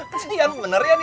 terus dia yang bener ya dia